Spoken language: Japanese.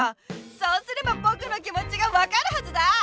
そうすればぼくの気もちが分かるはずだ！